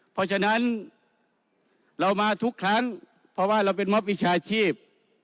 เพราะฉะนั้นเรามาทุกครั้งเพราะว่าเราเป็นมอบวิชาชีพ